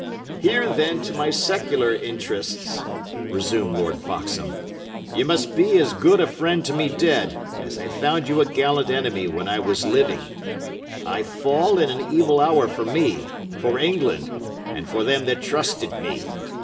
"Here, then, to my secular interests," resumed Lord Foxham: "ye must be as good a friend to me dead, as I found you a gallant enemy when I was living. I fall in an evil hour for me, for England, and for them that trusted me.